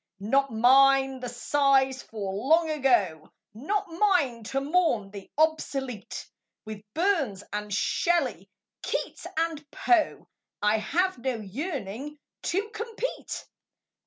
Not mine the sighs for Long Ago; Not mine to mourn the obsolete; With Burns and Shelley, Keats and Poe I have no yearning to compete.